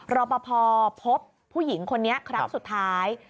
รอปภพบผู้หญิงคนนี้ครั้งสุดท้าย